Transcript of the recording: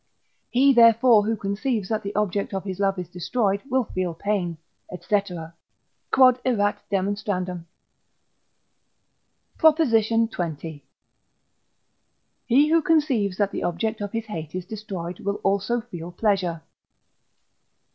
He, therefore, who conceives that the object of his love is destroyed will feel pain, &c. Q.E.D. PROP. XX. He who conceives that the object of his hate is destroyed will also feel pleasure.